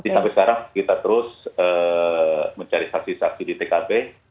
sampai sekarang kita terus mencari saksi saksi di tkp